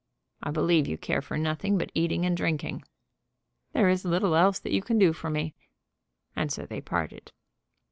"I believe you care for nothing but eating and drinking." "There's little else that you can do for me." And so they had parted.